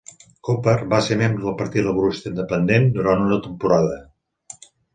Coppard va ser membre del Partit Laborista Independent durant una temporada.